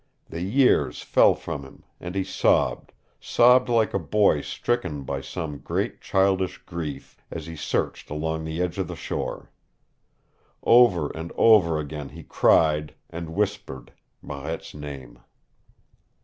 The years fell from him, and he sobbed sobbed like a boy stricken by some great childish grief, as he searched along the edge of the shore. Over and over again he cried and whispered Marette's name.